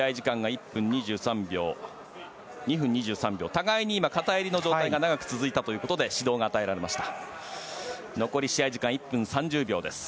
互いに片襟の状態が長く続いたということで指導が与えられました。